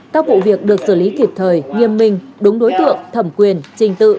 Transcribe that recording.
các vụ việc được xử lý kịp thời nghiêm minh đúng đối tượng thẩm quyền trình tự